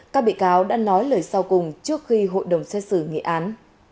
các bị cáo đã nói lời sau cùng trước khi hội đồng xét xử nghị án